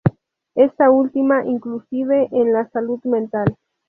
Esta última, inclusive, en la salud mental.